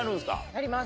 なります。